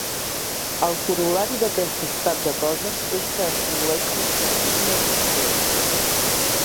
El corol·lari d'aquest estat de coses és que es produeixen escasíssimes opcions.